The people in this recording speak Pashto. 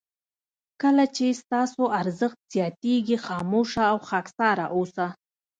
کله چې ستاسو ارزښت زیاتېږي خاموشه او خاکساره اوسه.